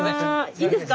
いいんですか